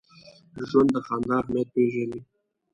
ژوندي د خندا اهمیت پېژني